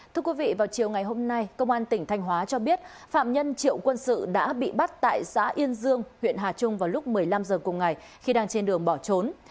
thưa quý vị vào chiều ngày hôm nay công an tỉnh thanh hóa cho biết phạm nhân triệu quân sự đã bị bắt tại xã yên dương huyện hà trung vào lúc một mươi năm h cùng ngày khi đang trên đường bỏ trốn